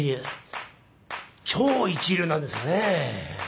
超一流なんですがねぇ。